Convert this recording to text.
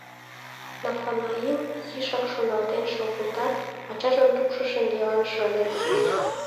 Нафанаил изишак шоналтен шогылтат, ачажын тупшо шеҥгелан шыле.